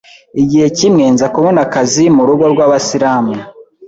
igihe kimwe nza kubona akazi mu rugo rw’abasilamu